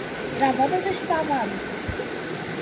Travado ou destravado?